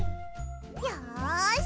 よし！